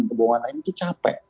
dan kebohongan lain itu capek